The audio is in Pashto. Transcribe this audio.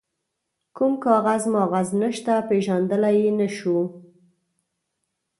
کوم کاغذ ماغذ نشته، پيژندلای يې نه شو.